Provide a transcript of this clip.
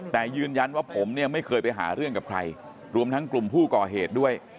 แต่ยืนยันว่าผมเนี่ยไม่เคยไปหาเรื่องกับใครรวมทั้งกลุ่มผู้ก่อเหตุด้วย